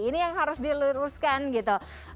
ini yang harus diluruskan gitu